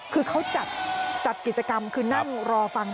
คือเขาจัดกิจกรรมคือนั่งรอฟัง